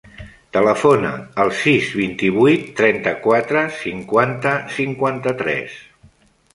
Telefona al sis, vint-i-vuit, trenta-quatre, cinquanta, cinquanta-tres.